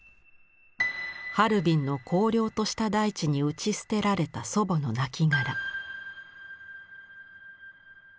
ハルビンの荒涼とした大地に打ち捨てられた祖母のなきがら。